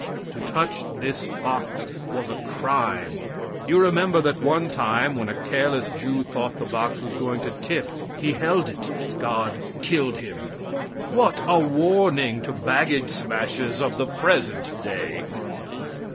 To touch this box was a crime. You remember that one time when a careless Jew thought the box was going to tip he held it. God killed him. What a warning to baggage smashers of the present day.